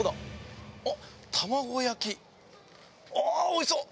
ああーおいしそう！